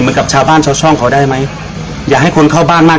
กับชาวบ้านชาวช่องเขาได้ไหมอย่าให้คนเข้าบ้านมาก